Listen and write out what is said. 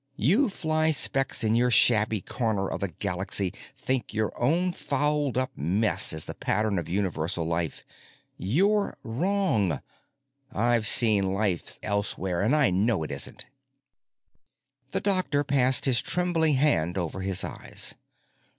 You flyspecks in your shabby corner of the Galaxy think your own fouled up mess is the pattern of universal life. You're wrong! I've seen life elsewhere and I know it isn't." The doctor passed his trembling hand over his eyes.